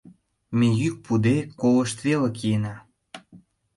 Ме, йӱк пуыде, колышт веле киена.